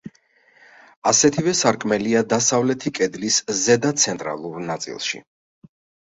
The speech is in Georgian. ასეთივე სარკმელია დასავლეთი კედლის ზედა, ცენტრალურ ნაწილში.